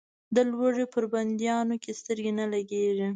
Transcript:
د لوږې پر بندیانو یې سترګې نه لګېږي.